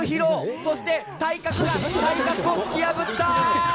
そして体格が、体格を突き破った。